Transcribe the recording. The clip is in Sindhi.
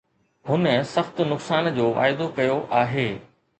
هن سخت نقصان جو واعدو ڪيو آهي